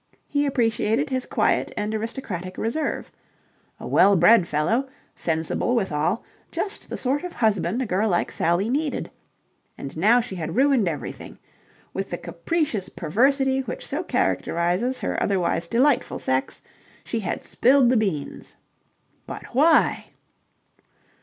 He appreciated his quiet and aristocratic reserve. A well bred fellow, sensible withal, just the sort of husband a girl like Sally needed. And now she had ruined everything. With the capricious perversity which so characterizes her otherwise delightful sex, she had spilled the beans. "But why?"